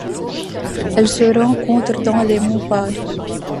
Elle se rencontre dans les monts Pare.